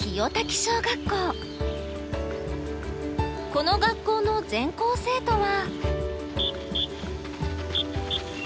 この学校の全校生徒は。